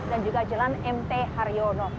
dan juga jalan mt haryono